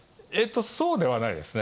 そうではないですね。